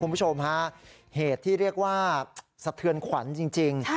คุณผู้ชมฮะเหตุที่เรียกว่าสะเทือนขวัญจริง